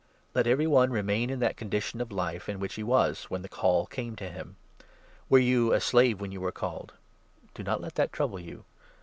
Let every one 2C remain in that condition of life in which he was when the Call came to him. Were you a slave when you were called ? 21 Do not let that trouble you.